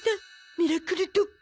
ミラクルドッグ。